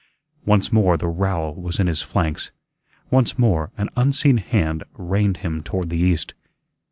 Once more the rowel was in his flanks, once more an unseen hand reined him toward the east.